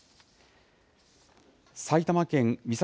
埼玉県美里